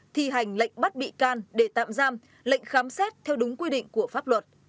thi hành lệnh bắt bị can để tạm giam lệnh khám xét theo đúng quy định của pháp luật